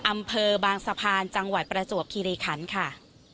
อำเภอบางสะพานจังหวัดประจวบคิริคันค่ะ